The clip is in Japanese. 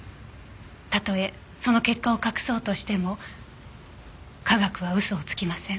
たとえその結果を隠そうとしても科学は嘘をつきません。